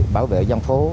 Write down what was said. bảo vệ dân phố